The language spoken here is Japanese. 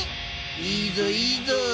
いいぞいいぞ！